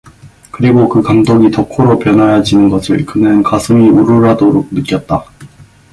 그리고 그 감독이 덕호로 변하여지는 것을 그는 가슴이 울울하도록 느꼈다.